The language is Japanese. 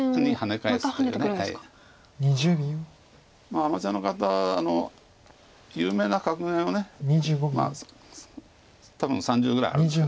アマチュアの方有名な格言を多分３０ぐらいあるんですけども。